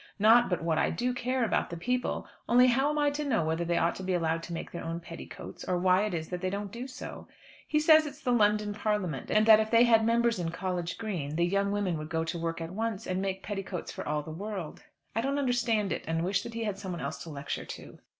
Not but what I do care about the people; only how am I to know whether they ought to be allowed to make their own petticoats, or why it is that they don't do so? He says it's the London Parliament; and that if they had members in College Green, the young women would go to work at once, and make petticoats for all the world. I don't understand it, and wish that he had someone else to lecture to.